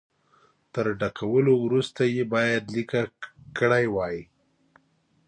تر ډکولو وروسته یې باید لیکه کړي وای.